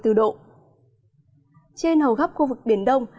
trên hầu gấp khu vực biển đông